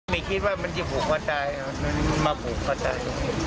มีคิดว่ามันจะผูกคอตายมันมาผูกคอตาย